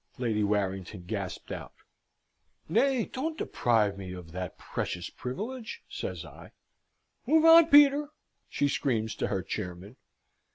Lady Warrington gasped out. "Nay, don't deprive me of that precious privilege!" says I. "Move on, Peter," she screams to her chairman.